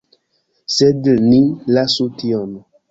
Sed ni lasu tion!